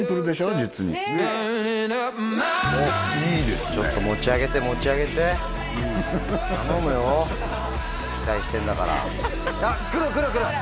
実にねえあっいいですねちょっと持ち上げて持ち上げて頼むよ期待してんだからあっ来る来る来る